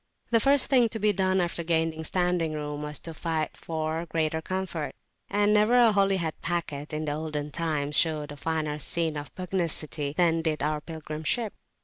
The first thing to be done after gaining standing room was to fight for greater comfort; and never a Holyhead packet in the olden time showed a finer scene of pugnacity than did our pilgrim ship.